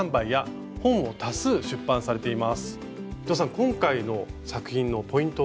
今回の作品のポイントは？